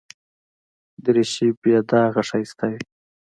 دریشي بې داغه ښایسته وي.